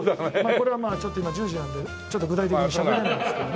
これはまあちょっと今１０時なんでちょっと具体的にしゃべれないんですけどね。